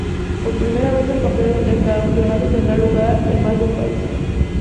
Por primera vez el campeonato tendrá lugar en más de un país.